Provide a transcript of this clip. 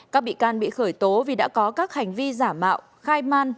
các bị can bị khởi tố vì đã có các hành vi giả mạo khai man